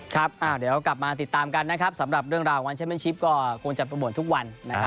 ครับเดี๋ยวกลับมาติดตามกันนะครับสำหรับเรื่องราวของวันแชมเป็นชิปก็คงจะโปรโมททุกวันนะครับ